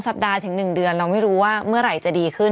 สัปดาห์ถึง๑เดือนเราไม่รู้ว่าเมื่อไหร่จะดีขึ้น